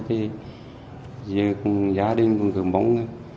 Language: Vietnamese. thì gia đình cũng thường mong